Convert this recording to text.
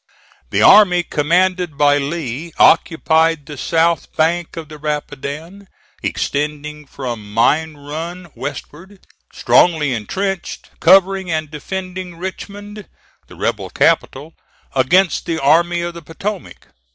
The army commanded by Lee occupied the south bank of the Rapidan, extending from Mine Run westward, strongly intrenched, covering and defending Richmond, the rebel capital, against the Army of the Potomac.